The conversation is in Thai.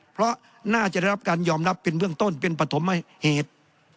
เพราะน่าจะได้รับการยอมรับเป็นเบื้องต้นเป็นปฐมเหตุ